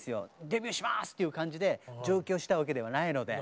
「デビューします！」っていう感じで上京したわけではないので。